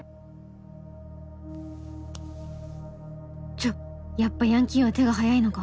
ちょっやっぱヤンキーは手が早いのか？